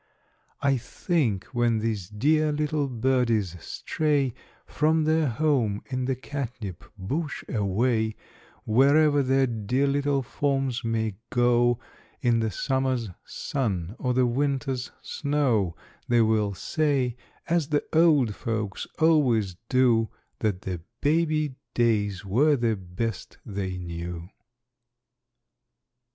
I think when these dear little birdies stray From their home in the catnip bush away, Wherever their dear little forms may go, In the summer's sun or the winter's snow, They will say, as the old folks always do, That their baby days were the best they knew."